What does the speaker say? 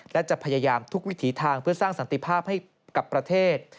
และจะพยายามทุกวิถีทางเพื่อสร้างสันติภาพให้กับประเทศ